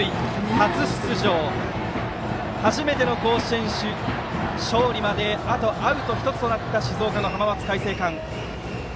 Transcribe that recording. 初出場、初めての甲子園勝利まであとアウト１つとなった静岡の浜松開誠館。